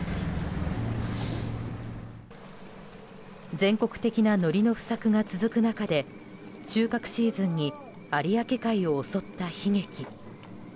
全国的なのりの不作が続く中で収穫シーズンに有明海を襲った悲劇。